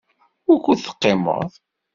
Wukud teqqimeḍ?